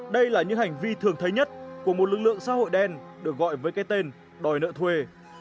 đây là những hành vi thường thấy nhất của một lực lượng xã hội đen được gọi với cái tên đòi nợ thuê